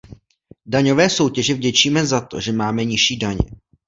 Daňové soutěži vděčíme za to, že máme nižší daně.